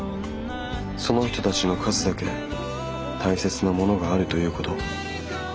その人たちの数だけ大切なものがあるということ。